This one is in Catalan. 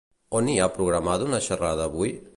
On hi ha programada una xerrada avui?